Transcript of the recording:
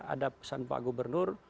ada pesan pak gubernur